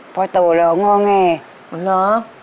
เพราะโตแล้วโง่ง่าย